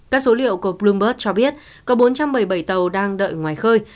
các số liệu của bloomberg cho biết có bốn trăm một mươi bảy tàu đang đợi ngoài khơi